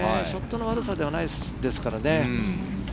ショットの悪さではないですからね。